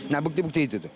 nah bukti bukti itu